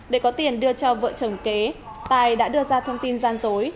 để có tiền đưa cho vợ chồng kế tài đã đưa ra thông tin gian dối